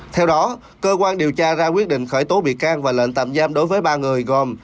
theo đó cơ quan điều tra ra quyết định khởi tố bị can và lệnh tạm giam đối với ba người gồm